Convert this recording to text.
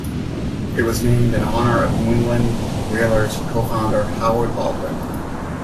It was named in honour of New England Whalers co-founder Howard Baldwin.